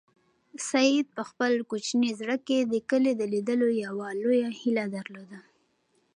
سعید په خپل کوچني زړه کې د کلي د لیدلو یوه لویه هیله درلوده.